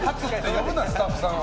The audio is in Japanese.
呼ぶな、スタッフさんを。